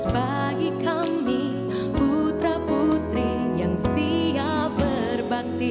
bagi kami putra putri yang siap berbakti